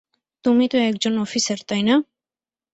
তুমি তো একজন অফিসার, তাই না?